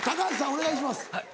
お願いします。